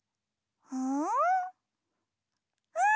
うん？